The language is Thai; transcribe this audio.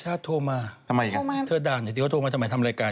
ไม่เดี๋ยวก่อนเขามีอยากจะแตกอะไรกับพี่เป็นการส่วนตัวหรือเปล่า